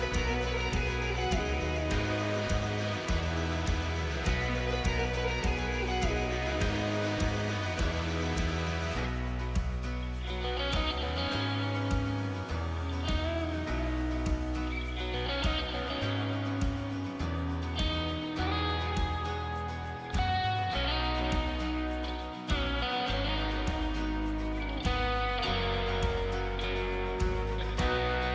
selamat ulang tahun papa